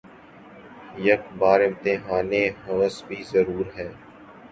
یک بار امتحانِ ہوس بھی ضرور ہے